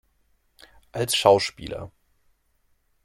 Als Schauspieler